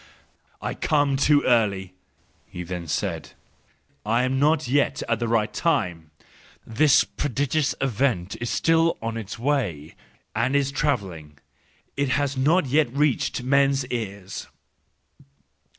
" I come too early," he then said, " I am not yet at the right time. This THE JOYFUL WISDOM, III 169 prodigious event is still on its way, and is travelling, —it has not yet reached men's ears.